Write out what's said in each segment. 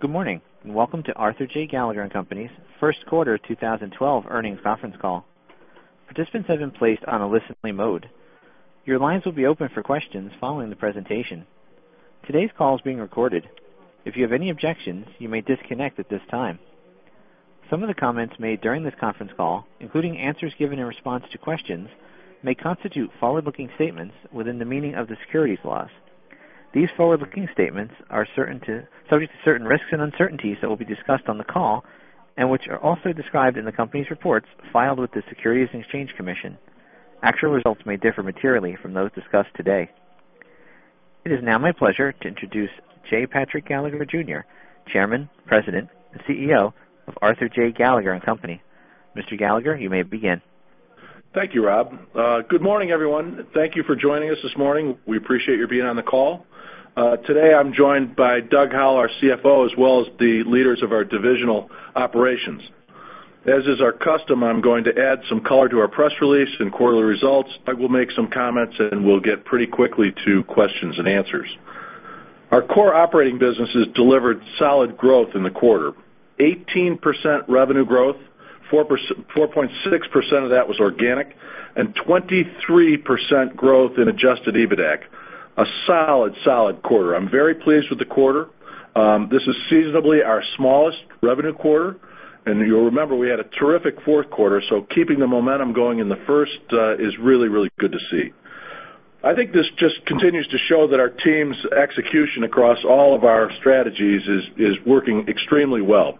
Good morning, and welcome to Arthur J. Gallagher & Co.'s first quarter 2012 earnings conference call. Participants have been placed on a listen-only mode. Your lines will be open for questions following the presentation. Today's call is being recorded. If you have any objections, you may disconnect at this time. Some of the comments made during this conference call, including answers given in response to questions, may constitute forward-looking statements within the meaning of the securities laws. These forward-looking statements are subject to certain risks and uncertainties that will be discussed on the call, and which are also described in the company's reports filed with the Securities and Exchange Commission. Actual results may differ materially from those discussed today. It is now my pleasure to introduce J. Patrick Gallagher Jr., Chairman, President, and CEO of Arthur J. Gallagher & Co.. Mr. Gallagher, you may begin. Thank you, Rob. Good morning, everyone. Thank you for joining us this morning. We appreciate you being on the call. Today, I'm joined by Doug Howell, our CFO, as well as the leaders of our divisional operations. As is our custom, I'm going to add some color to our press release and quarterly results. I will make some comments, and we'll get pretty quickly to questions and answers. Our core operating businesses delivered solid growth in the quarter. 18% revenue growth, 4.6% of that was organic, and 23% growth in adjusted EBITDAC. A solid quarter. I'm very pleased with the quarter. This is seasonably our smallest revenue quarter. You'll remember we had a terrific fourth quarter, so keeping the momentum going in the first is really good to see. I think this just continues to show that our team's execution across all of our strategies is working extremely well.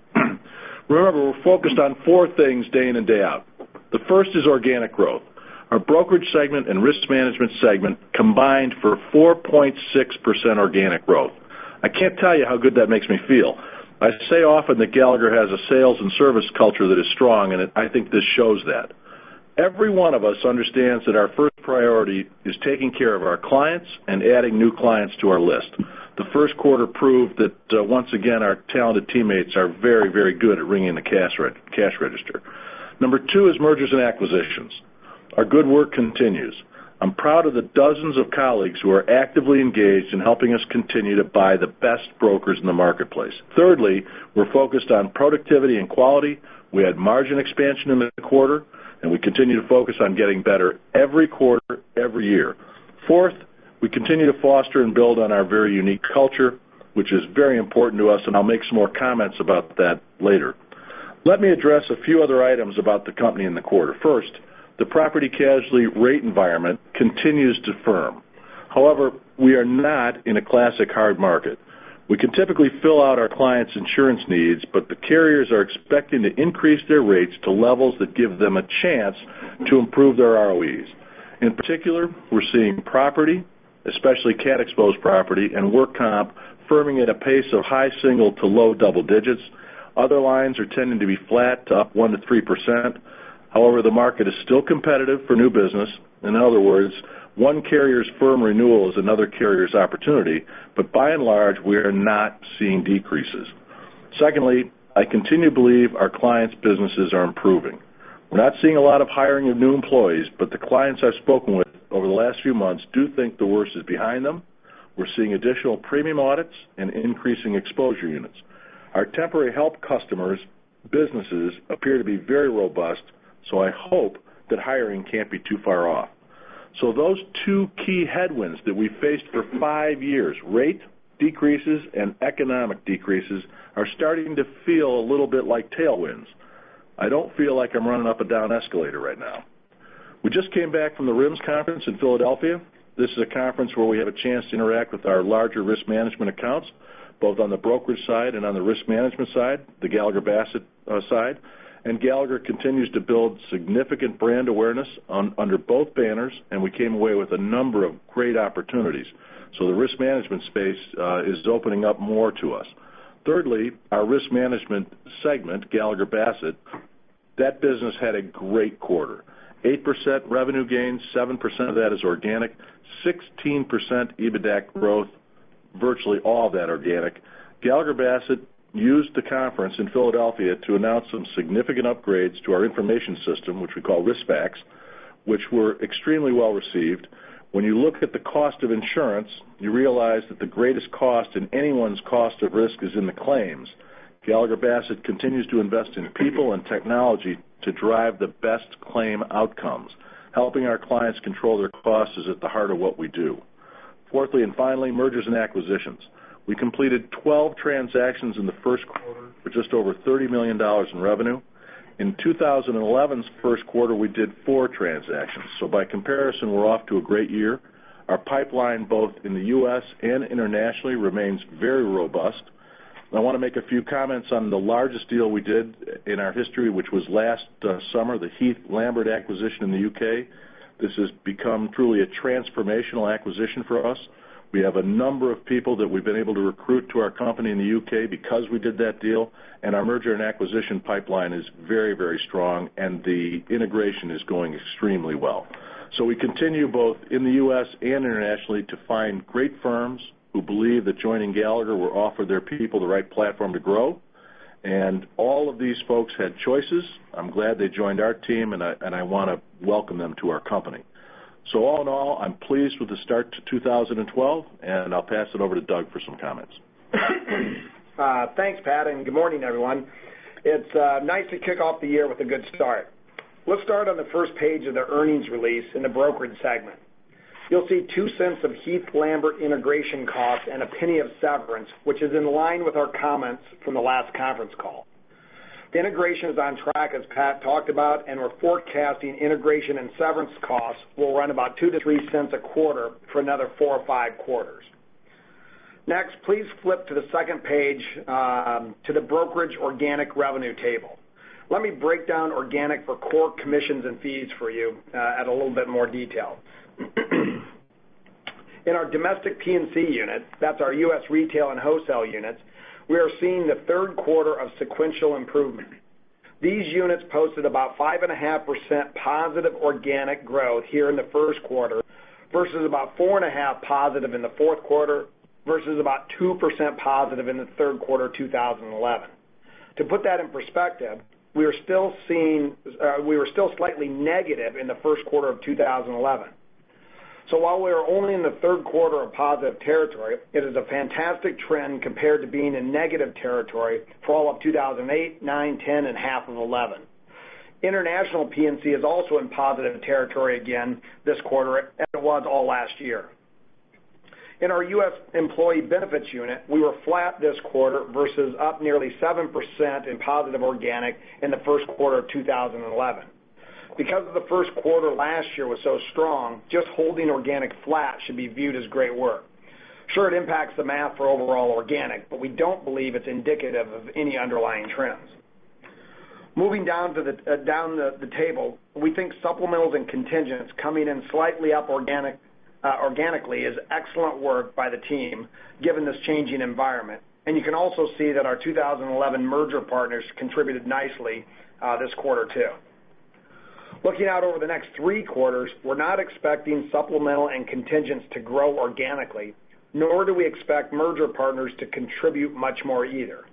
Remember, we're focused on four things day in and day out. The first is organic growth. Our brokerage segment and risk management segment combined for 4.6% organic growth. I can't tell you how good that makes me feel. I say often that Gallagher has a sales and service culture that is strong, and I think this shows that. Every one of us understands that our first priority is taking care of our clients and adding new clients to our list. The first quarter proved that once again, our talented teammates are very good at ringing the cash register. Number two is mergers and acquisitions. Our good work continues. I'm proud of the dozens of colleagues who are actively engaged in helping us continue to buy the best brokers in the marketplace. Thirdly, we're focused on productivity and quality. We had margin expansion in the quarter, and we continue to focus on getting better every quarter, every year. Fourth, we continue to foster and build on our very unique culture, which is very important to us, and I'll make some more comments about that later. Let me address a few other items about the company in the quarter. First, the property casualty rate environment continues to firm. However, we are not in a classic hard market. We can typically fill out our clients' insurance needs, but the carriers are expecting to increase their rates to levels that give them a chance to improve their ROEs. In particular, we're seeing property, especially cat-exposed property, and work comp firming at a pace of high single to low double digits. Other lines are tending to be flat to up 1%-3%. However, the market is still competitive for new business. In other words, one carrier's firm renewal is another carrier's opportunity. By and large, we are not seeing decreases. Secondly, I continue to believe our clients' businesses are improving. We are not seeing a lot of hiring of new employees, but the clients I have spoken with over the last few months do think the worst is behind them. We are seeing additional premium audits and increasing exposure units. Our temporary help customers' businesses appear to be very robust, so I hope that hiring cannot be too far off. Those two key headwinds that we faced for five years, rate decreases and economic decreases, are starting to feel a little bit like tailwinds. I do not feel like I am running up a down escalator right now. We just came back from the RIMS conference in Philadelphia. This is a conference where we have a chance to interact with our larger risk management accounts, both on the brokerage side and on the risk management side, the Gallagher Bassett side. Gallagher continues to build significant brand awareness under both banners, and we came away with a number of great opportunities. The risk management space is opening up more to us. Thirdly, our risk management segment, Gallagher Bassett, that business had a great quarter. 8% revenue gain, 7% of that is organic, 16% EBITDAC growth, virtually all that organic. Gallagher Bassett used the conference in Philadelphia to announce some significant upgrades to our information system, which we call RISX-FACS, which were extremely well received. When you look at the cost of insurance, you realize that the greatest cost in anyone's cost of risk is in the claims. Gallagher Bassett continues to invest in people and technology to drive the best claim outcomes. Helping our clients control their costs is at the heart of what we do. Fourthly and finally, mergers and acquisitions. We completed 12 transactions in the first quarter for just over $30 million in revenue. In 2011's first quarter, we did four transactions. By comparison, we are off to a great year. Our pipeline, both in the U.S. and internationally, remains very robust. I want to make a few comments on the largest deal we did in our history, which was last summer, the Heath Lambert acquisition in the U.K. This has become truly a transformational acquisition for us. We have a number of people that we have been able to recruit to our company in the U.K. because we did that deal. Our merger and acquisition pipeline is very strong, and the integration is going extremely well. We continue both in the U.S. and internationally to find great firms who believe that joining Gallagher will offer their people the right platform to grow. All of these folks had choices. I am glad they joined our team, and I want to welcome them to our company. All in all, I am pleased with the start to 2012, and I will pass it over to Doug for some comments. Thanks, Pat. Good morning, everyone. It's nice to kick off the year with a good start. Let's start on the first page of the earnings release in the brokerage segment. You'll see $0.02 of Heath Lambert integration costs and $0.01 of severance, which is in line with our comments from the last conference call. The integration is on track, as Pat talked about. We're forecasting integration and severance costs will run about $0.02-$0.03 a quarter for another four or five quarters. Next, please flip to page two, to the brokerage organic revenue table. Let me break down organic for core commissions and fees for you at a little bit more detail. In our domestic P&C unit, that's our U.S. retail and wholesale units, we are seeing the third quarter of sequential improvement. These units posted about 5.5% positive organic growth here in the first quarter, versus about 4.5% positive in the fourth quarter, versus about 2% positive in the third quarter 2011. To put that in perspective, we were still slightly negative in the first quarter of 2011. While we are only in the third quarter of positive territory, it is a fantastic trend compared to being in negative territory for all of 2008, 2009, 2010, and half of 2011. International P&C is also in positive territory again this quarter, as it was all last year. In our U.S. employee benefits unit, we were flat this quarter versus up nearly 7% in positive organic in the first quarter of 2011. Because the first quarter last year was so strong, just holding organic flat should be viewed as great work. Sure, it impacts the math for overall organic. We don't believe it's indicative of any underlying trends. Moving down the table, we think supplementals and contingents coming in slightly up organically is excellent work by the team, given this changing environment. You can also see that our 2011 merger partners contributed nicely this quarter, too. Looking out over the next three quarters, we're not expecting supplemental and contingents to grow organically, nor do we expect merger partners to contribute much more either.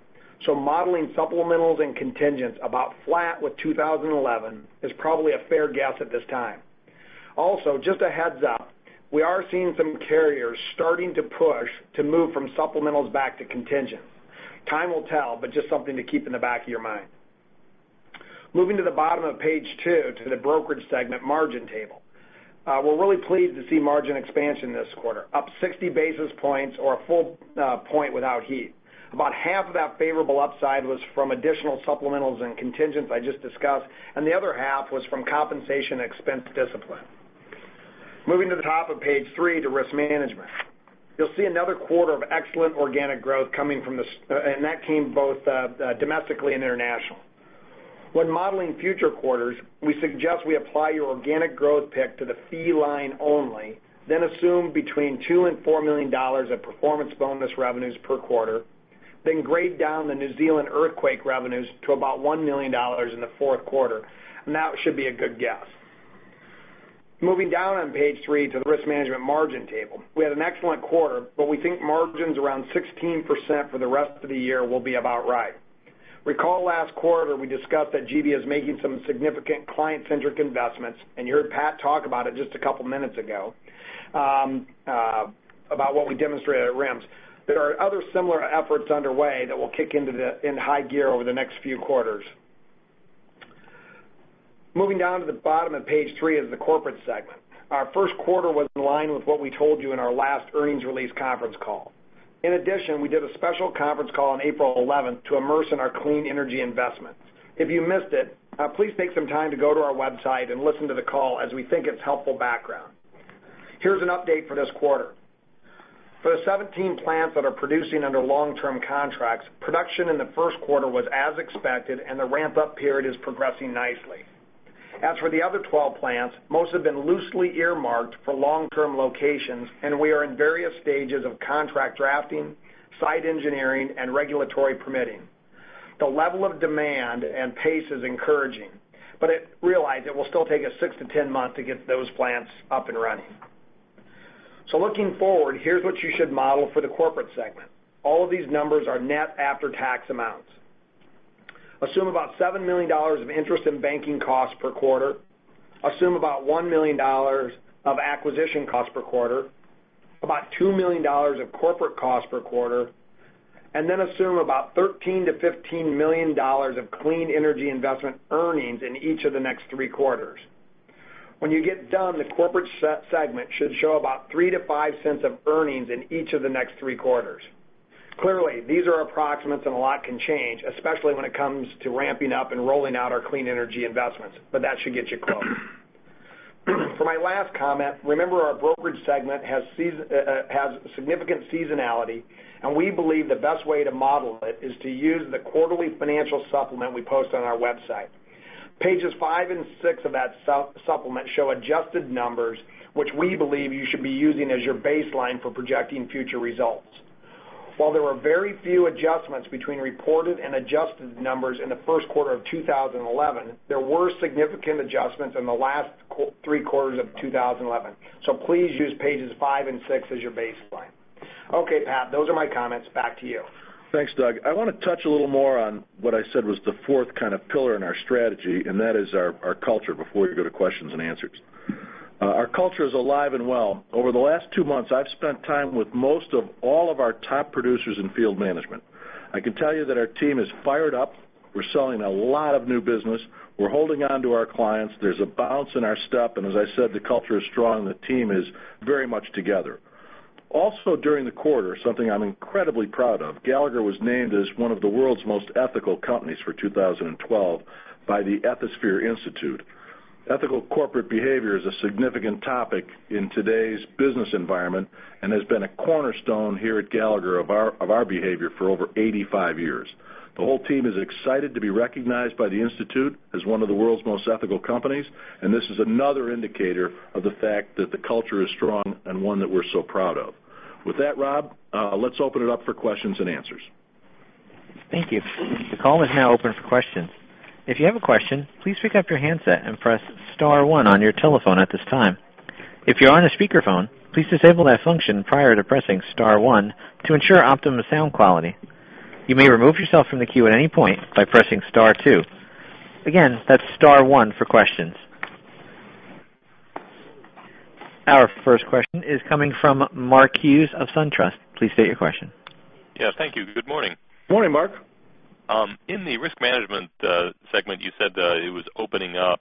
Modeling supplementals and contingents about flat with 2011 is probably a fair guess at this time. Also, just a heads-up, we are seeing some carriers starting to push to move from supplementals back to contingents. Time will tell. Just something to keep in the back of your mind. Moving to the bottom of page two, to the brokerage segment margin table. We're really pleased to see margin expansion this quarter, up 60 basis points or a full point without Heath. About half of that favorable upside was from additional supplementals and contingents I just discussed. The other half was from compensation expense discipline. Moving to the top of page three, to risk management. You'll see another quarter of excellent organic growth. That came both domestically and internationally. When modeling future quarters, we suggest we apply your organic growth pick to the fee line only. Assume between $2 million and $4 million of performance bonus revenues per quarter. Grade down the New Zealand earthquake revenues to about $1 million in the fourth quarter. That should be a good guess. Moving down on page three to the risk management margin table. We had an excellent quarter, we think margins around 16% for the rest of the year will be about right. Recall last quarter, we discussed that GB is making some significant client-centric investments, and you heard Pat talk about it just a couple of minutes ago, about what we demonstrated at RIMS. There are other similar efforts underway that will kick into high gear over the next few quarters. Moving down to the bottom of page three is the corporate segment. Our first quarter was in line with what we told you in our last earnings release conference call. In addition, we did a special conference call on April 11th to immerse in our clean energy investments. If you missed it, please take some time to go to our website and listen to the call as we think it's helpful background. Here's an update for this quarter. For the 17 plants that are producing under long-term contracts, production in the first quarter was as expected, and the ramp-up period is progressing nicely. As for the other 12 plants, most have been loosely earmarked for long-term locations, and we are in various stages of contract drafting, site engineering, and regulatory permitting. The level of demand and pace is encouraging, but realize it will still take us six to 10 months to get those plants up and running. Looking forward, here's what you should model for the corporate segment. All of these numbers are net after-tax amounts. Assume about $7 million of interest in banking costs per quarter, assume about $1 million of acquisition costs per quarter, about $2 million of corporate costs per quarter, and then assume about $13 million-$15 million of clean energy investment earnings in each of the next three quarters. When you get done, the corporate segment should show about $0.03-$0.05 of earnings in each of the next three quarters. Clearly, these are approximates and a lot can change, especially when it comes to ramping up and rolling out our clean energy investments, that should get you close. For my last comment, remember our brokerage segment has significant seasonality, and we believe the best way to model it is to use the quarterly financial supplement we post on our website. Pages five and six of that supplement show adjusted numbers, which we believe you should be using as your baseline for projecting future results. While there were very few adjustments between reported and adjusted numbers in the first quarter of 2011, there were significant adjustments in the last three quarters of 2011. Please use pages five and six as your baseline. Okay, Pat, those are my comments. Back to you. Thanks, Doug. I want to touch a little more on what I said was the fourth pillar in our strategy, that is our culture, before we go to questions and answers. Our culture is alive and well. Over the last two months, I've spent time with most of all of our top producers in field management. I can tell you that our team is fired up. We're selling a lot of new business. We're holding onto our clients. There's a bounce in our step. As I said, the culture is strong, the team is very much together. Also during the quarter, something I'm incredibly proud of, Gallagher was named as one of the world's most ethical companies for 2012 by the Ethisphere Institute. Ethical corporate behavior is a significant topic in today's business environment and has been a cornerstone here at Gallagher of our behavior for over 85 years. The whole team is excited to be recognized by the institute as one of the world's most ethical companies, this is another indicator of the fact that the culture is strong and one that we're so proud of. With that, Rob, let's open it up for questions and answers. Thank you. The call is now open for questions. If you have a question, please pick up your handset and press *1 on your telephone at this time. If you're on a speakerphone, please disable that function prior to pressing *1 to ensure optimum sound quality. You may remove yourself from the queue at any point by pressing *2. Again, that's *1 for questions. Our first question is coming from Mark Hughes of SunTrust. Please state your question. Yes, thank you. Good morning. Morning, Mark. In the risk management segment, you said it was opening up.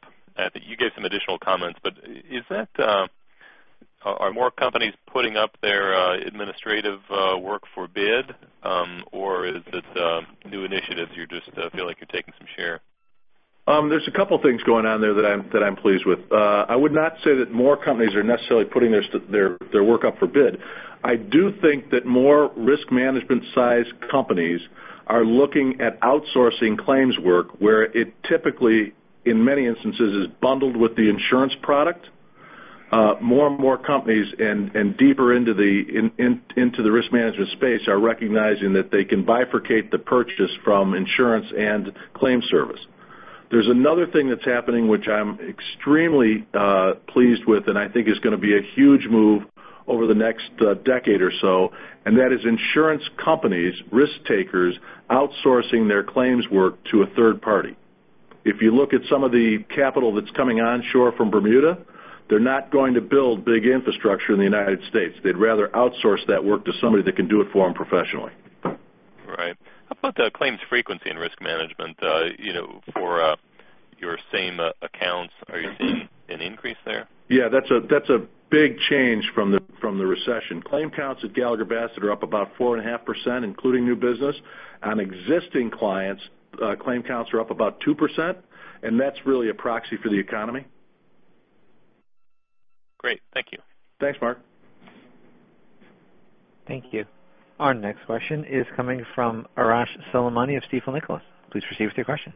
Are more companies putting up their administrative work for bid? Is it new initiatives, you just feel like you're taking some share? There's a couple things going on there that I'm pleased with. I would not say that more companies are necessarily putting their work up for bid. I do think that more risk management size companies are looking at outsourcing claims work where it typically, in many instances, is bundled with the insurance product. More and more companies and deeper into the risk management space are recognizing that they can bifurcate the purchase from insurance and claim service. There's another thing that's happening, which I'm extremely pleased with and I think is going to be a huge move over the next decade or so, and that is insurance companies, risk takers, outsourcing their claims work to a third party. If you look at some of the capital that's coming onshore from Bermuda, they're not going to build big infrastructure in the U.S. They'd rather outsource that work to somebody that can do it for them professionally. Right. How about the claims frequency and risk management for your same accounts, are you seeing an increase there? Yeah, that's a big change from the recession. Claim counts at Gallagher Bassett are up about 4.5%, including new business. On existing clients, claim counts are up about 2%, and that's really a proxy for the economy. Great. Thank you. Thanks, Mark. Thank you. Our next question is coming from Arash Soleimani of Stifel Nicolaus. Please proceed with your question.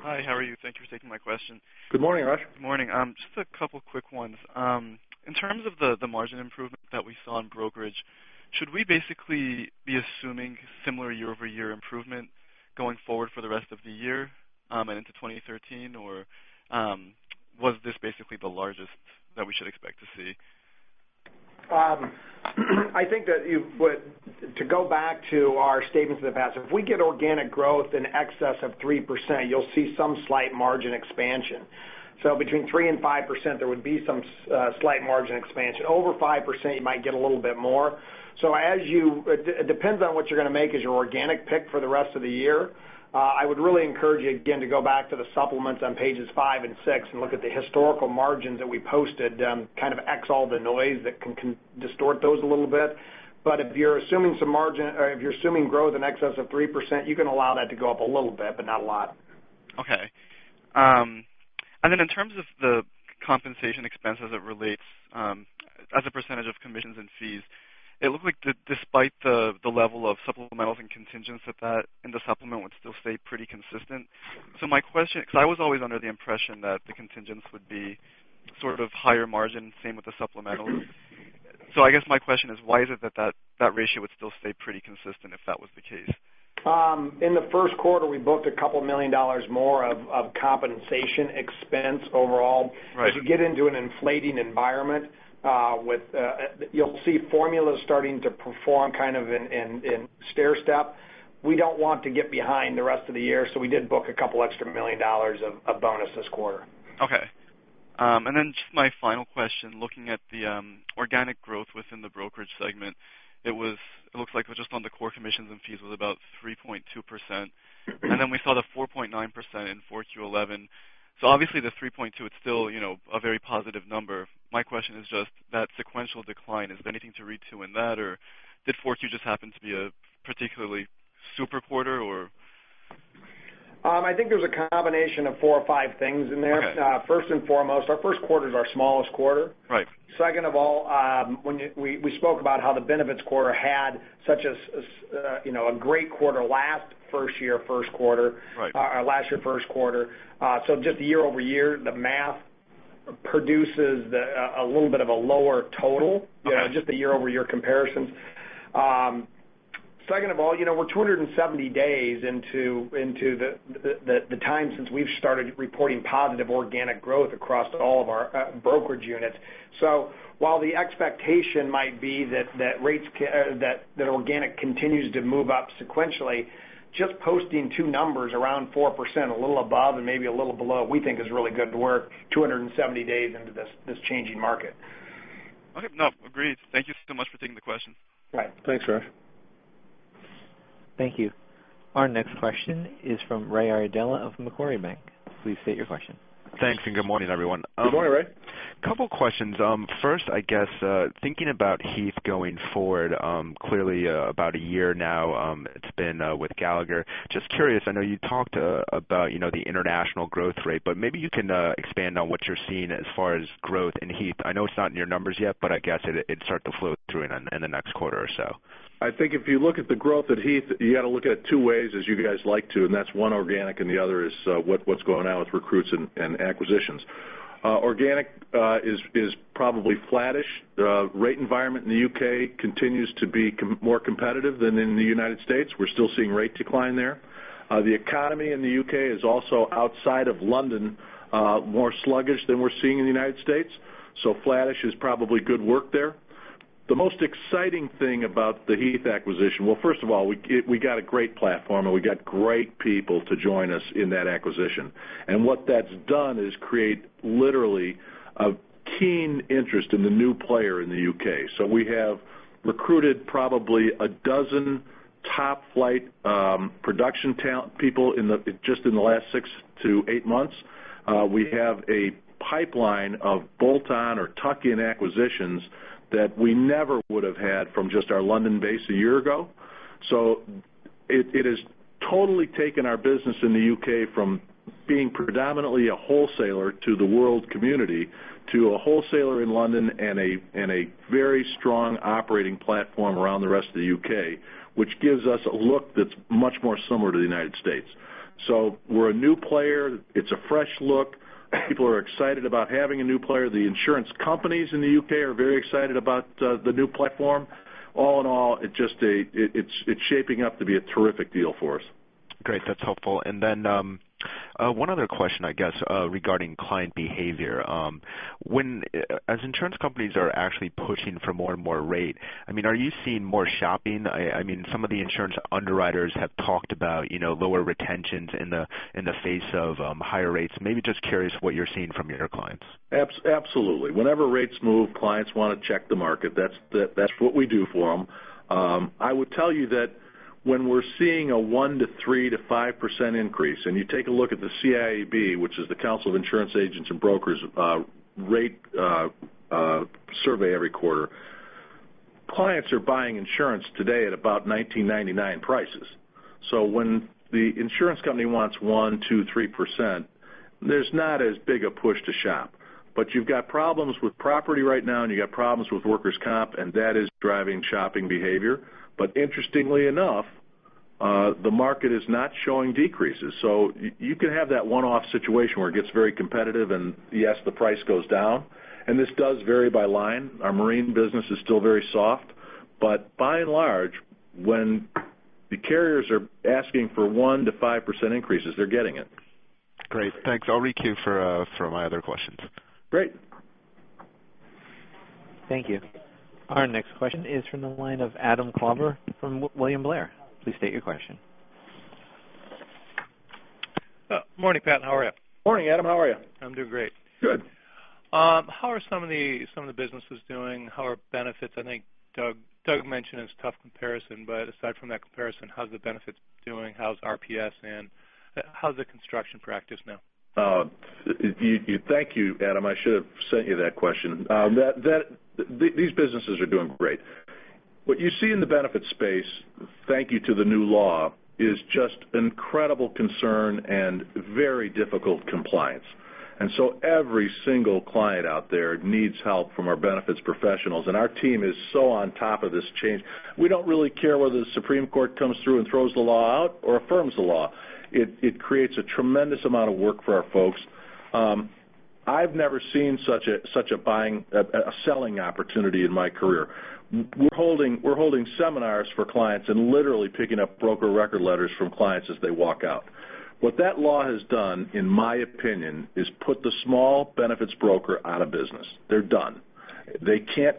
Hi, how are you? Thank you for taking my question. Good morning, Arash. Morning. Just a couple of quick ones. In terms of the margin improvement that we saw in brokerage, should we basically be assuming similar year-over-year improvement going forward for the rest of the year and into 2013? Was this basically the largest that we should expect to see? I think that to go back to our statements in the past, if we get organic growth in excess of 3%, you'll see some slight margin expansion. Between 3% and 5%, there would be some slight margin expansion. Over 5%, you might get a little bit more. It depends on what you're going to make as your organic pick for the rest of the year. I would really encourage you again to go back to the supplements on pages five and six and look at the historical margins that we posted, kind of X all the noise that can distort those a little bit. If you're assuming growth in excess of 3%, you can allow that to go up a little bit, but not a lot. Okay. Then in terms of the compensation expense as it relates as a percentage of commissions and fees, it looked like despite the level of supplementals and contingents at that in the supplement would still stay pretty consistent. My question, because I was always under the impression that the contingents would be sort of higher margin, same with the supplementals. I guess my question is, why is it that that ratio would still stay pretty consistent if that was the case? In the first quarter, we booked a couple million dollars more of compensation expense overall. Right. As you get into an inflating environment, you'll see formulas starting to perform kind of in stairstep. We don't want to get behind the rest of the year, we did book a couple extra million dollars of bonus this quarter. Okay. Just my final question, looking at the organic growth within the brokerage segment, it looks like it was just on the core commissions and fees was about 3.2%. We saw the 4.9% in 4Q 2011. Obviously the 3.2% it's still a very positive number. My question is just that sequential decline, is there anything to read to in that? Or did 4Q just happen to be a particularly super quarter? I think there's a combination of four or five things in there. Okay. First and foremost, our first quarter is our smallest quarter. Right. Second of all, we spoke about how the benefits quarter had such a great quarter last year first quarter. Right. just year-over-year, the math produces a little bit of a lower total. Okay. The year-over-year comparisons. Second of all, we're 270 days into the time since we've started reporting positive organic growth across all of our brokerage units. While the expectation might be that organic continues to move up sequentially, just posting two numbers around 4%, a little above and maybe a little below, we think is really good work 270 days into this changing market. Okay. No, agreed. Thank you so much for taking the question. Right. Thanks, Arash. Thank you. Our next question is from Raymond Iardella of Macquarie Bank. Please state your question. Thanks, good morning, everyone. Good morning, Ray. A couple questions. First, I guess, thinking about Heath going forward, clearly about a year now, it's been with Gallagher. Just curious, I know you talked about the international growth rate, but maybe you can expand on what you're seeing as far as growth in Heath. I know it's not in your numbers yet, but I guess it'd start to flow through in the next quarter or so. I think if you look at the growth at Heath, you got to look at it two ways as you guys like to, and that's one organic and the other is, what's going on with recruits and acquisitions. Organic is probably flattish. The rate environment in the U.K. continues to be more competitive than in the United States. We're still seeing rate decline there. The economy in the U.K. is also outside of London, more sluggish than we're seeing in the United States. Flattish is probably good work there. The most exciting thing about the Heath acquisition. Well, first of all, we got a great platform, and we got great people to join us in that acquisition. What that's done is create literally a keen interest in the new player in the U.K. We have recruited probably a dozen top-flight, production talent people just in the last six to eight months. We have a pipeline of bolt-on or tuck-in acquisitions that we never would have had from just our London base a year ago. It has totally taken our business in the U.K. from being predominantly a wholesaler to the world community, to a wholesaler in London and a very strong operating platform around the rest of the U.K., which gives us a look that's much more similar to the United States. We're a new player. It's a fresh look. People are excited about having a new player. The insurance companies in the U.K. are very excited about the new platform. All in all, it's shaping up to be a terrific deal for us. Great. That's helpful. One other question, I guess, regarding client behavior. As insurance companies are actually pushing for more and more rate, are you seeing more shopping? Some of the insurance underwriters have talked about lower retentions in the face of higher rates. Maybe just curious what you're seeing from your clients. Absolutely. Whenever rates move, clients want to check the market. That is what we do for them. I would tell you that when we are seeing a 1%-3%-5% increase, you take a look at the CIAB, which is the Council of Insurance Agents & Brokers rate survey every quarter, clients are buying insurance today at about 1999 prices. When the insurance company wants 1%, 2%, 3%, there is not as big a push to shop. You have got problems with property right now, and you have got problems with workers' comp, and that is driving shopping behavior. Interestingly enough, the market is not showing decreases. You can have that one-off situation where it gets very competitive and yes, the price goes down. This does vary by line. Our marine business is still very soft. By and large, when the carriers are asking for 1%-5% increases, they are getting it. Great. Thanks. I will requeue for my other questions. Great. Thank you. Our next question is from the line of Adam Klauber from William Blair. Please state your question. Morning, Pat, how are you? Morning, Adam. How are you? I'm doing great. Good. How are some of the businesses doing? How are benefits? I think Doug mentioned it's a tough comparison, aside from that comparison, how's the benefits doing? How's RPS in? How's the construction practice now? Thank you, Adam. I should have sent you that question. These businesses are doing great. What you see in the benefits space, thank you to the new law, is just incredible concern and very difficult compliance. Every single client out there needs help from our benefits professionals, our team is so on top of this change. We don't really care whether the Supreme Court comes through and throws the law out or affirms the law. It creates a tremendous amount of work for our folks. I've never seen such a selling opportunity in my career. We're holding seminars for clients and literally picking up broker record letters from clients as they walk out. What that law has done, in my opinion, is put the small benefits broker out of business. They're done. They can't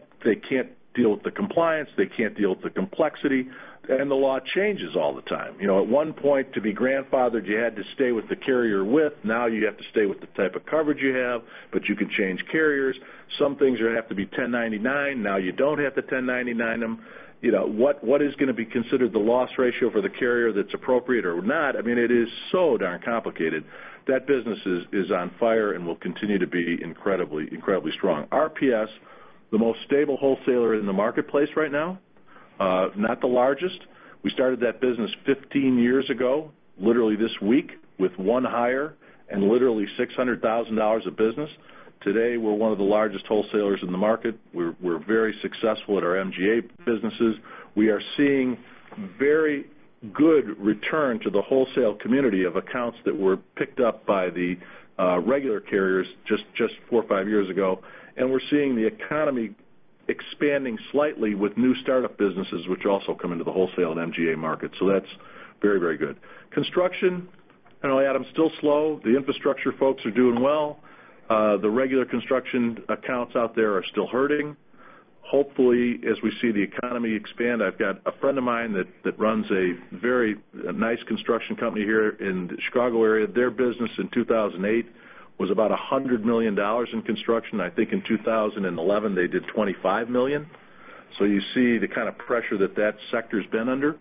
deal with the compliance, they can't deal with the complexity, the law changes all the time. At one point, to be grandfathered, you had to stay with the carrier with. Now you have to stay with the type of coverage you have, but you can change carriers. Some things you have to be 1099. Now you don't have to 1099 them. What is going to be considered the loss ratio for the carrier that's appropriate or not? It is so darn complicated. That business is on fire and will continue to be incredibly strong. RPS, the most stable wholesaler in the marketplace right now. Not the largest. We started that business 15 years ago, literally this week, with one hire and literally $600,000 of business. Today, we're one of the largest wholesalers in the market. We're very successful at our MGA businesses. We are seeing very good return to the wholesale community of accounts that were picked up by the regular carriers just four or five years ago. We're seeing the economy expanding slightly with new startup businesses, which also come into the wholesale and MGA market. That's very good. Construction, Adam, still slow. The infrastructure folks are doing well. The regular construction accounts out there are still hurting. Hopefully, as we see the economy expand, I've got a friend of mine that runs a very nice construction company here in the Chicago area. Their business in 2008 was about $100 million in construction. I think in 2011, they did $25 million. You see the kind of pressure that sector's been under.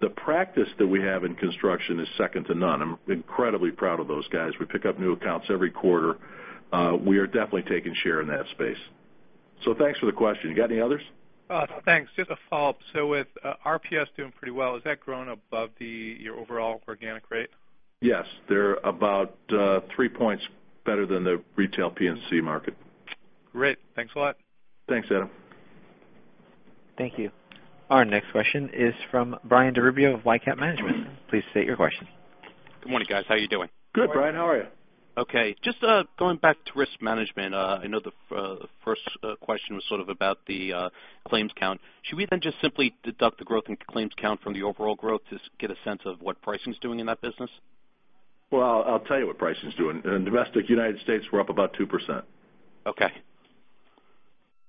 The practice that we have in construction is second to none. I'm incredibly proud of those guys. We pick up new accounts every quarter. We are definitely taking share in that space. Thanks for the question. You got any others? Thanks. Just a follow-up. With RPS doing pretty well, has that grown above your overall organic rate? Yes. They're about three points better than the retail P&C market. Great. Thanks a lot. Thanks, Adam. Thank you. Our next question is from Brian DiRubio of L Capital Management. Please state your question. Good morning, guys. How are you doing? Good, Brian. How are you? Okay. Just going back to risk management. I know the first question was sort of about the claims count. Should we then just simply deduct the growth in claims count from the overall growth, just get a sense of what pricing's doing in that business? Well, I'll tell you what pricing's doing. In domestic U.S., we're up about 2%. Okay.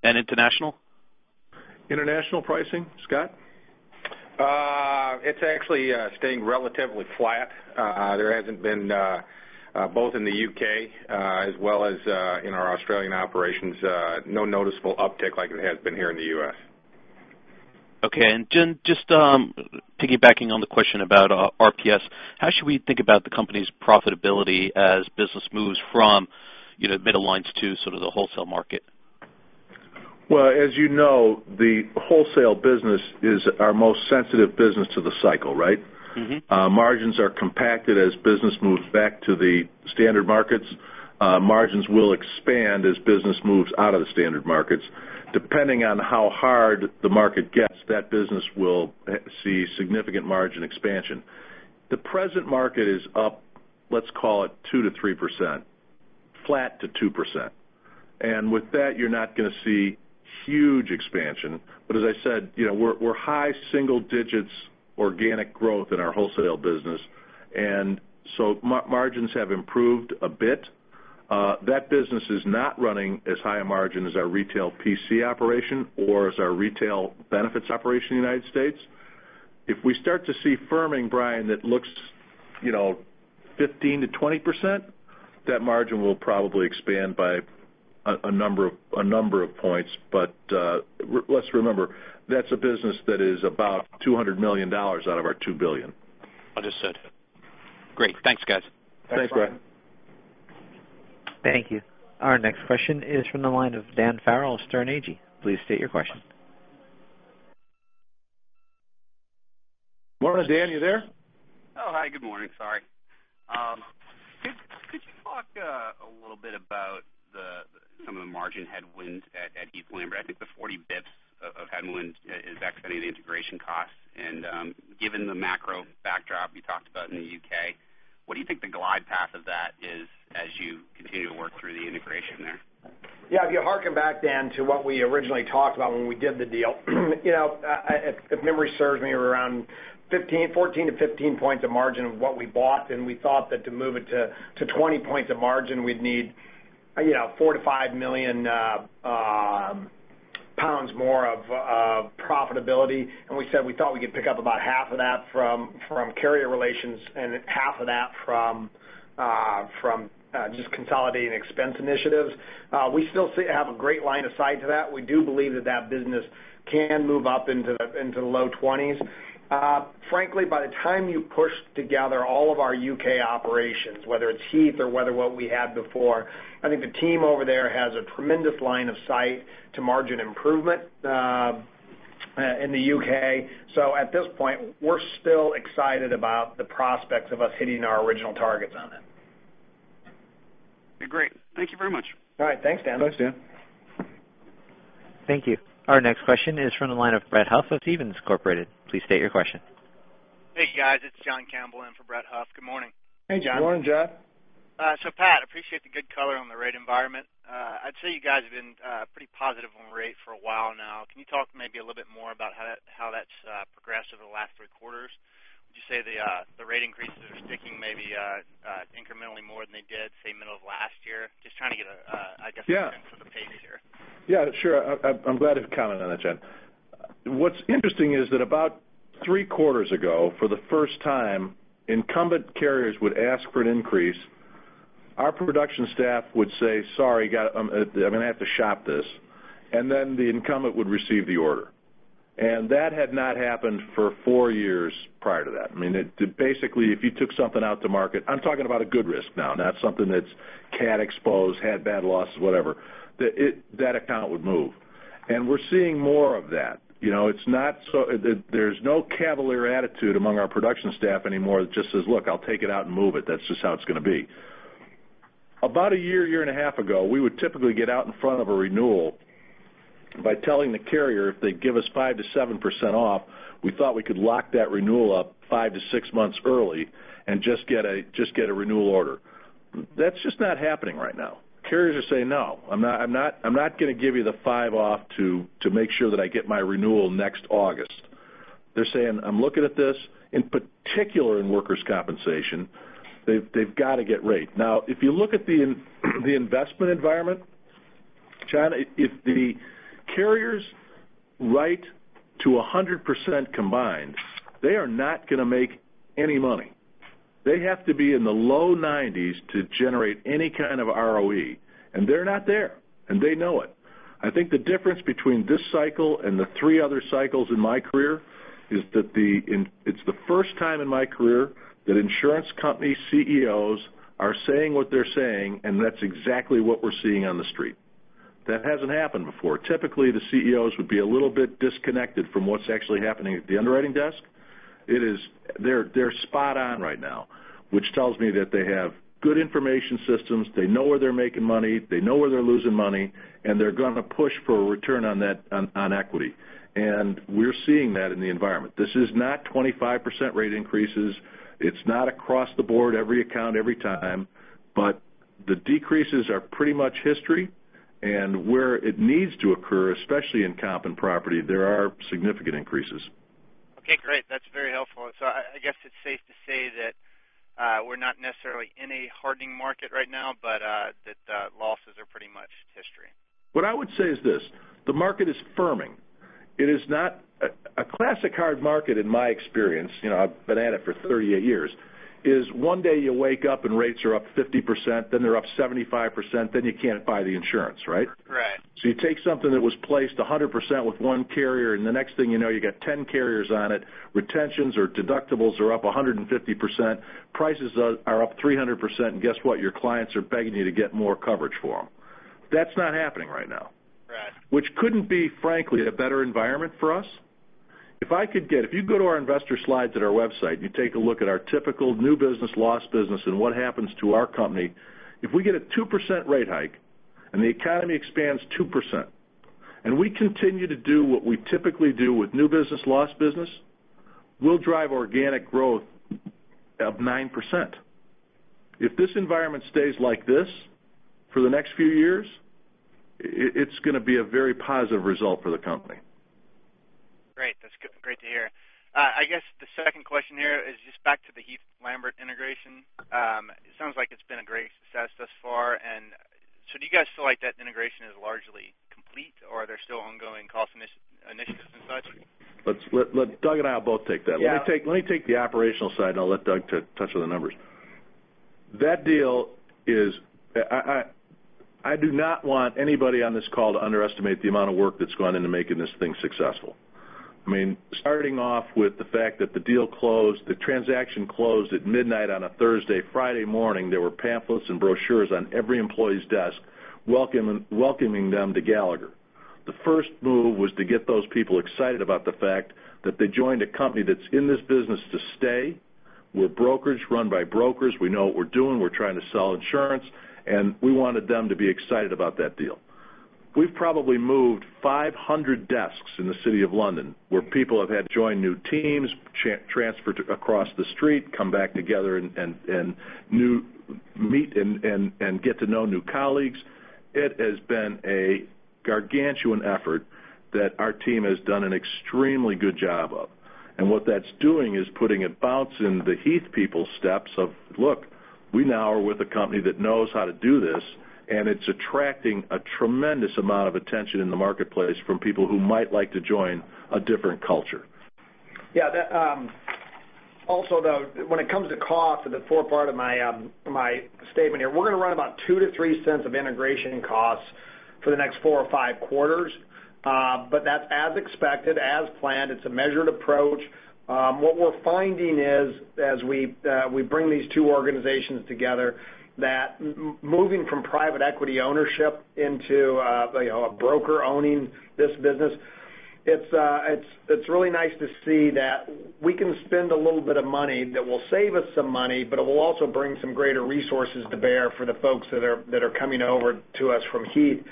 International? International pricing, Scott? It's actually staying relatively flat. There hasn't been, both in the U.K. as well as in our Australian operations, no noticeable uptick like it has been here in the U.S. Okay. Pat, just piggybacking on the question about RPS, how should we think about the company's profitability as business moves from mid lines to sort of the wholesale market? Well, as you know, the wholesale business is our most sensitive business to the cycle, right? Margins are compacted as business moves back to the standard markets. Margins will expand as business moves out of the standard markets. Depending on how hard the market gets, that business will see significant margin expansion. The present market is up, let's call it 2%-3%, flat to 2%. With that, you're not going to see huge expansion. As I said, we're high single digits organic growth in our wholesale business, margins have improved a bit. That business is not running as high a margin as our retail P&C operation or as our retail benefits operation in the U.S. If we start to see firming, Brian, that looks 15%-20%, that margin will probably expand by a number of points. Let's remember, that's a business that is about $200 million out of our $2 billion. Understood. Great. Thanks, guys. Thanks, Brian. Thank you. Our next question is from the line of Dan Farrell of Sterne Agee. Please state your question. Morning, Dan, you there? Hi. Good morning. Sorry. Could you talk a little bit about some of the margin headwinds at Heath Lambert? I think the 40 basis points of headwinds is excluding the integration costs. Given the macro backdrop you talked about in the U.K., what do you think the glide path of that is as you continue to work through the integration there? Yeah. If you harken back, Dan, to what we originally talked about when we did the deal. If memory serves me, we were around 14-15 points of margin of what we bought, and we thought that to move it to 20 points of margin, we'd need 4 million-5 million pounds more of profitability. We said we thought we could pick up about half of that from carrier relations and half of that from just consolidating expense initiatives. We still have a great line of sight to that. We do believe that that business can move up into the low 20s. Frankly, by the time you push together all of our U.K. operations, whether it's Heath or whether what we had before, I think the team over there has a tremendous line of sight to margin improvement in the U.K. At this point, we're still excited about the prospects of us hitting our original targets on it. Great. Thank you very much. All right. Thanks, Dan. Thanks, Dan. Thank you. Our next question is from the line of Brett Huff of Stephens Inc.. Please state your question. Hey, guys. It's John Campbell in for Brett Huff. Good morning. Hey, John. Good morning, John. Pat, appreciate the good color on the rate environment. I'd say you guys have been pretty positive on rate for a while now. Can you talk maybe a little bit more about how that's progressed over the last three quarters? Would you say the rate increases are sticking maybe incrementally more than they did, say, middle of last year? Just trying to get a, I guess. Yeah A sense of the pace here. Yeah, sure. I'm glad to comment on that, John. What's interesting is that about three quarters ago, for the first time, incumbent carriers would ask for an increase. Our production staff would say, "Sorry, I'm going to have to shop this." Then the incumbent would receive the order. That had not happened for four years prior to that. I mean, basically, if you took something out to market, I'm talking about a good risk now, not something that's cat exposed, had bad losses, whatever, that account would move. We're seeing more of that. There's no cavalier attitude among our production staff anymore that just says, "Look, I'll take it out and move it. That's just how it's going to be. About a year and a half ago, we would typically get out in front of a renewal by telling the carrier if they'd give us 5%-7% off, we thought we could lock that renewal up five to six months early and just get a renewal order. That's just not happening right now. Carriers are saying, "No, I'm not going to give you the five off to make sure that I get my renewal next August." They're saying, "I'm looking at this." In particular, in workers' compensation, they've got to get rate. If you look at the investment environment, John, if the carriers write to 100% combined, they are not going to make any money. They have to be in the low 90s to generate any kind of ROE. They're not there, and they know it. I think the difference between this cycle and the three other cycles in my career is that it's the first time in my career that insurance company CEOs are saying what they're saying, That's exactly what we're seeing on the street. That hasn't happened before. Typically, the CEOs would be a little bit disconnected from what's actually happening at the underwriting desk. They're spot on right now, which tells me that they have good information systems. They know where they're making money, they know where they're losing money, They're going to push for a return on equity. We're seeing that in the environment. This is not 25% rate increases. It's not across the board, every account, every time. The decreases are pretty much history. Where it needs to occur, especially in comp and property, there are significant increases. Okay, great. That's very helpful. I guess it's safe to say that we're not necessarily in a hardening market right now, That losses are pretty much history. What I would say is this, the market is firming. A classic hard market in my experience, I've been at it for 38 years, is one day you wake up and rates are up 50%, They're up 75%, You can't buy the insurance, right? Right. You take something that was placed 100% with one carrier, and the next thing you know, you got 10 carriers on it. Retentions or deductibles are up 150%, prices are up 300%. Guess what? Your clients are begging you to get more coverage for them. That's not happening right now. Right. Which couldn't be, frankly, at a better environment for us. If you go to our investor slides at our website, and you take a look at our typical new business, lost business, and what happens to our company, if we get a 2% rate hike and the economy expands 2%, and we continue to do what we typically do with new business, lost business, we'll drive organic growth of 9%. If this environment stays like this for the next few years, it's going to be a very positive result for the company. Great. That's great to hear. I guess the second question here is just back to the Heath Lambert integration. It sounds like it's been a great success thus far. Do you guys feel like that integration is largely complete, or are there still ongoing cost initiatives and such? Doug and I will both take that. Yeah. Let me take the operational side, I'll let Doug touch on the numbers. I do not want anybody on this call to underestimate the amount of work that's gone into making this thing successful. Starting off with the fact that the deal closed, the transaction closed at midnight on a Thursday. Friday morning, there were pamphlets and brochures on every employee's desk welcoming them to Gallagher. The first move was to get those people excited about the fact that they joined a company that's in this business to stay. We're a brokerage run by brokers. We know what we're doing. We're trying to sell insurance, and we wanted them to be excited about that deal. We've probably moved 500 desks in the City of London, where people have had to join new teams, transfer across the street, come back together, and meet and get to know new colleagues. It has been a gargantuan effort that our team has done an extremely good job of. What that's doing is putting a bounce in the Heath people's steps of, look, we now are with a company that knows how to do this, and it's attracting a tremendous amount of attention in the marketplace from people who might like to join a different culture. Also, when it comes to cost, the forepart of my statement here, we're going to run about $0.02 to $0.03 of integration costs for the next four or five quarters. That's as expected, as planned. It's a measured approach. What we're finding is, as we bring these two organizations together, that moving from private equity ownership into a broker owning this business, it's really nice to see that we can spend a little bit of money that will save us some money, but it will also bring some greater resources to bear for the folks that are coming over to us from Heath.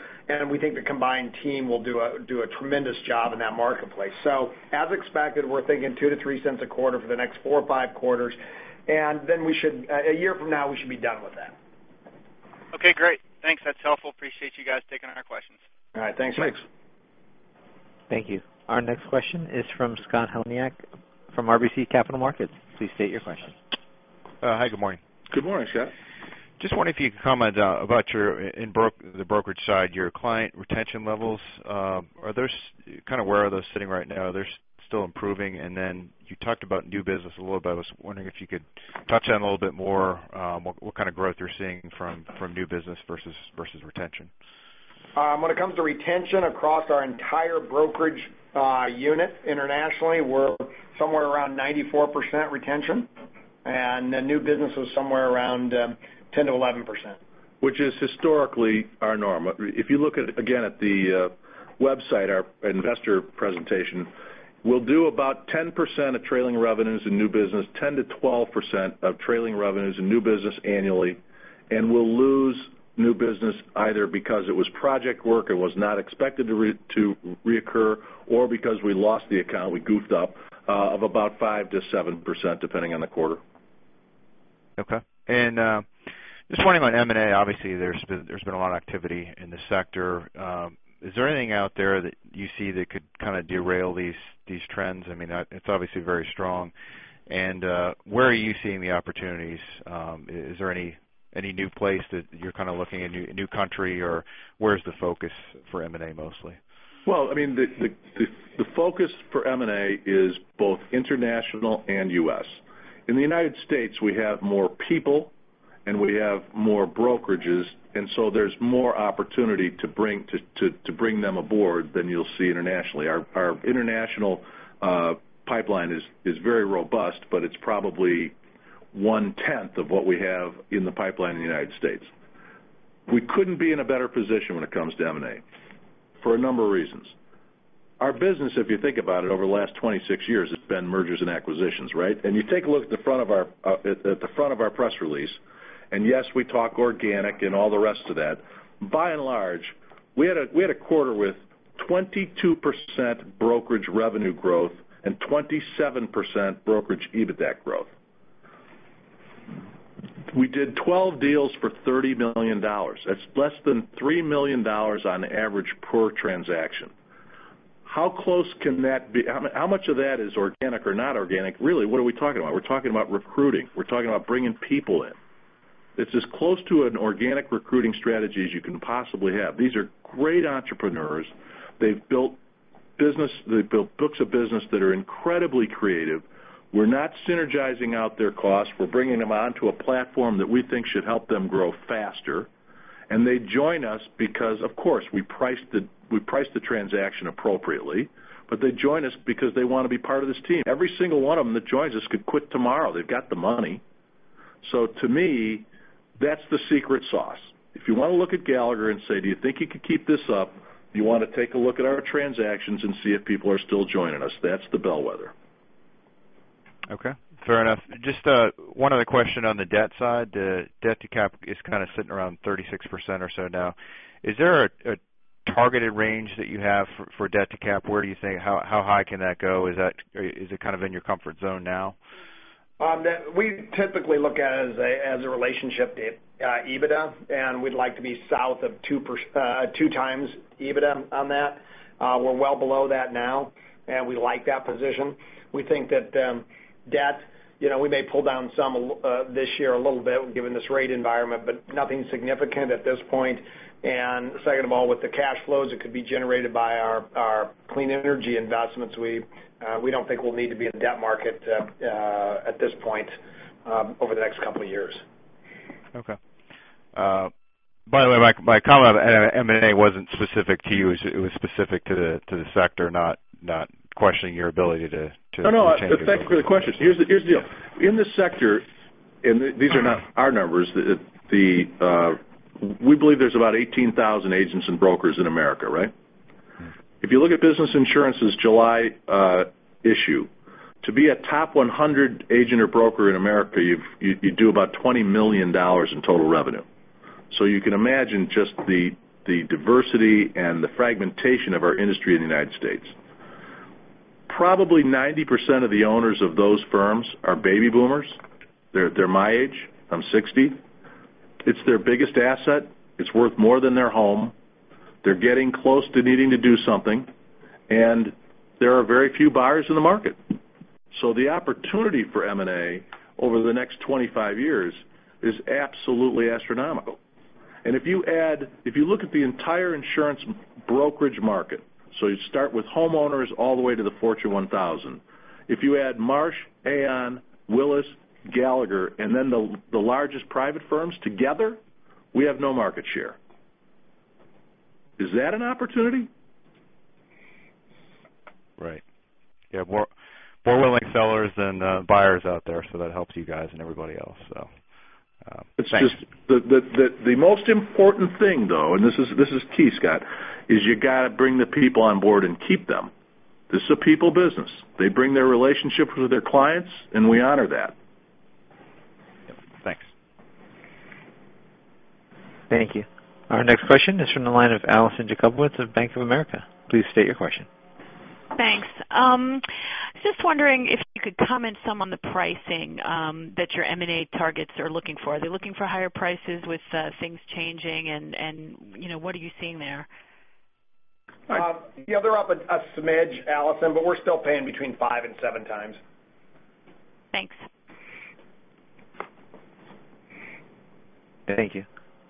We think the combined team will do a tremendous job in that marketplace. As expected, we're thinking $0.02 to $0.03 a quarter for the next four or five quarters, and then a year from now, we should be done with that. Okay, great. Thanks. That's helpful. Appreciate you guys taking our questions. All right. Thanks. Thanks. Thank you. Our next question is from Scott Heleniak from RBC Capital Markets. Please state your question. Hi. Good morning. Good morning, Scott. Just wondering if you could comment about the brokerage side, your client retention levels, where are those sitting right now? Are they still improving? Then you talked about new business a little bit. I was wondering if you could touch on a little bit more, what kind of growth you're seeing from new business versus retention. When it comes to retention across our entire brokerage unit internationally, we're somewhere around 94% retention. The new business was somewhere around 10%-11%. Which is historically our norm. If you look at, again, at the website, our investor presentation, we'll do about 10% of trailing revenues in new business, 10%-12% of trailing revenues in new business annually, we'll lose new business either because it was project work that was not expected to reoccur, or because we lost the account, we goofed up, of about 5%-7%, depending on the quarter. Okay. Just wondering on M&A, obviously, there's been a lot of activity in the sector. Is there anything out there that you see that could kind of derail these trends? It's obviously very strong. Where are you seeing the opportunities? Is there any new place that you're kind of looking, a new country, or where's the focus for M&A mostly? The focus for M&A is both international and U.S. In the United States, we have more people and we have more brokerages, there's more opportunity to bring them aboard than you'll see internationally. Our international pipeline is very robust, it's probably one-tenth of what we have in the pipeline in the United States. We couldn't be in a better position when it comes to M&A for a number of reasons. Our business, if you think about it, over the last 26 years, has been mergers and acquisitions, right? You take a look at the front of our press release, yes, we talk organic and all the rest of that. By and large, we had a quarter with 22% brokerage revenue growth and 27% brokerage EBITDA growth. We did 12 deals for $30 million. That's less than $3 million on average per transaction. How much of that is organic or not organic? Really, what are we talking about? We're talking about recruiting. We're talking about bringing people in. It's as close to an organic recruiting strategy as you can possibly have. These are great entrepreneurs. They've built books of business that are incredibly creative. We're not synergizing out their costs. We're bringing them onto a platform that we think should help them grow faster. They join us because, of course, we price the transaction appropriately, they join us because they want to be part of this team. Every single one of them that joins us could quit tomorrow. They've got the money. To me, that's the secret sauce. If you want to look at Gallagher and say, "Do you think you could keep this up?" You want to take a look at our transactions and see if people are still joining us. That's the bellwether. Okay. Fair enough. Just one other question on the debt side. The debt to cap is kind of sitting around 36% or so now. Is there a targeted range that you have for debt to cap? Where do you think, how high can that go? Is it kind of in your comfort zone now? We typically look at it as a relationship to EBITDA, and we'd like to be south of 2 times EBITDA on that. We're well below that now, and we like that position. We think that debt, we may pull down some this year, a little bit, given this rate environment, but nothing significant at this point. Second of all, with the cash flows that could be generated by our clean energy investments, we don't think we'll need to be in the debt market at this point over the next couple of years. Okay. By the way, my comment on M&A wasn't specific to you. It was specific to the sector, not questioning your ability to change. No, thanks for the question. Here's the deal. In this sector, and these are not our numbers, we believe there's about 18,000 agents and brokers in America, right? If you look at Business Insurance's July issue, to be a top 100 agent or broker in America, you do about $20 million in total revenue. You can imagine just the diversity and the fragmentation of our industry in the United States. Probably 90% of the owners of those firms are baby boomers. They're my age. I'm 60. It's their biggest asset. It's worth more than their home. They're getting close to needing to do something, and there are very few buyers in the market. The opportunity for M&A over the next 25 years is absolutely astronomical. If you look at the entire insurance brokerage market, so you start with homeowners all the way to the Fortune 1000. If you add Marsh, Aon, Willis, Gallagher, and then the largest private firms together, we have no market share. Is that an opportunity? Right. You have more willing sellers than buyers out there, so that helps you guys and everybody else, so thanks. The most important thing, though, and this is key, Scott, is you got to bring the people on board and keep them. This is a people business. They bring their relationships with their clients, and we honor that. Yep. Thanks. Thank you. Our next question is from the line of Allison Jacobowitz of Bank of America. Please state your question. Thanks. Just wondering if you could comment some on the pricing that your M&A targets are looking for. Are they looking for higher prices with things changing? What are you seeing there? Yeah, they're up a smidge, Allison, we're still paying between five and seven times. Thanks. Thank you.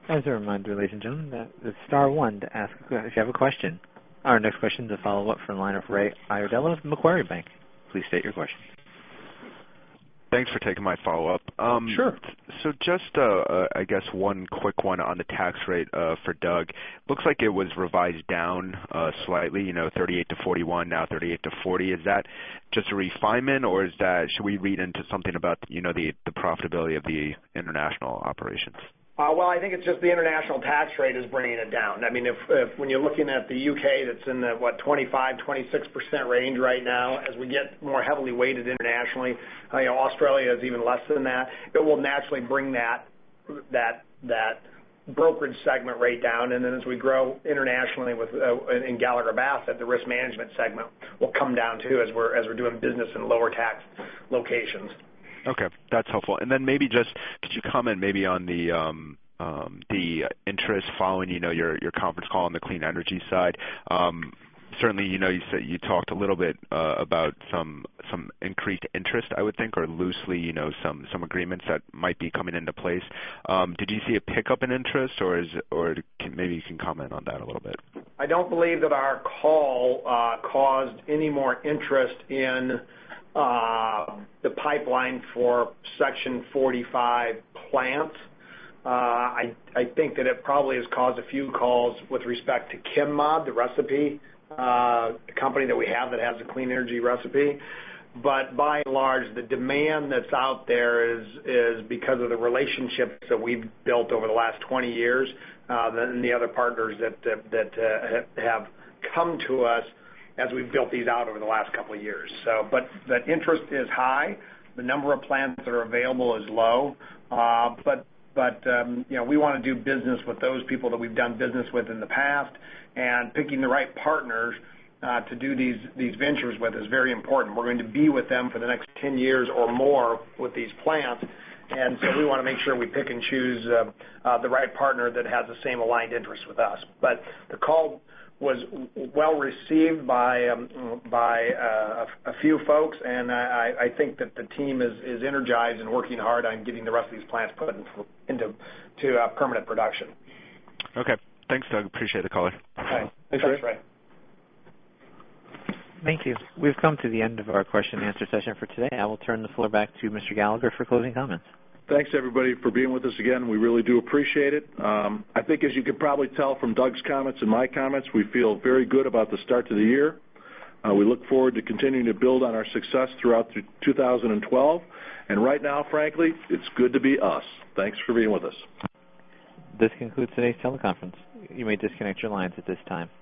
As a reminder, ladies and gentlemen, that's star one to ask if you have a question. Our next question is a follow-up from the line of Ray Iardella of Macquarie Bank. Please state your question. Thanks for taking my follow-up. Sure. Just, I guess one quick one on the tax rate for Doug. Looks like it was revised down slightly, 38%-41%, now 38%-40%. Is that just a refinement or should we read into something about the profitability of the international operations? I think it's just the international tax rate is bringing it down. When you're looking at the U.K., that's in the, what, 25%-26% range right now. As we get more heavily weighted internationally, Australia is even less than that. It will naturally bring that brokerage segment rate down. As we grow internationally in Gallagher Bassett, the risk management segment will come down too as we're doing business in lower tax locations. Okay, that's helpful. Maybe just could you comment maybe on the interest following your conference call on the clean energy side? Certainly, you talked a little bit about some increased interest, I would think, or loosely some agreements that might be coming into place. Did you see a pickup in interest or maybe you can comment on that a little bit? I don't believe that our call caused any more interest in the pipeline for Section 45 plants. I think that it probably has caused a few calls with respect to Chem-Mod, the recipe, the company that we have that has a clean energy recipe. By and large, the demand that's out there is because of the relationships that we've built over the last 20 years, than the other partners that have come to us as we've built these out over the last couple of years. The interest is high. The number of plants that are available is low. We want to do business with those people that we've done business with in the past, and picking the right partners to do these ventures with is very important. We're going to be with them for the next 10 years or more with these plants, and so we want to make sure we pick and choose the right partner that has the same aligned interests with us. The call was well received by a few folks, and I think that the team is energized and working hard on getting the rest of these plants put into permanent production. Okay. Thanks, Doug. Appreciate the color. Okay. Thanks, Ray. Thank you. We've come to the end of our question and answer session for today. I will turn the floor back to Mr. Gallagher for closing comments. Thanks everybody for being with us again. We really do appreciate it. I think as you can probably tell from Doug's comments and my comments, we feel very good about the start to the year. We look forward to continuing to build on our success throughout 2012. Right now, frankly, it's good to be us. Thanks for being with us. This concludes today's teleconference. You may disconnect your lines at this time.